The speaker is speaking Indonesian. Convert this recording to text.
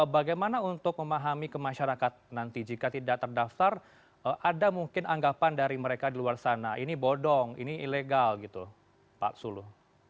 bagaimana untuk memahami ke masyarakat nanti jika tidak terdaftar ada mungkin anggapan dari mereka di luar sana ini bodong ini ilegal gitu pak sulu